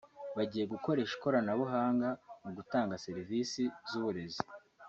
bagiye gukoresha ikoranabuhanga mu gutanga serivisi z’uburezi